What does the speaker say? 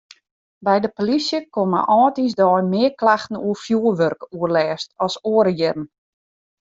By de polysje komme âldjiersdei mear klachten oer fjoerwurkoerlêst as oare jierren.